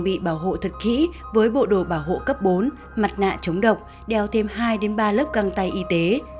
bị bảo hộ thật kỹ với bộ đồ bảo hộ cấp bốn mặt nạ chống độc đeo thêm hai ba lớp găng tay y tế